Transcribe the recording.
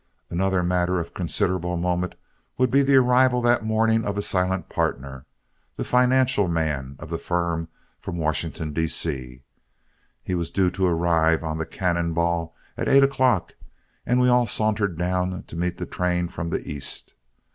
Another matter of considerable moment would be the arrival that morning of a silent partner, the financial man of the firm from Washington, D.C. He was due to arrive on the "Cannon Ball" at eight o'clock, and we all sauntered down to meet the train from the East.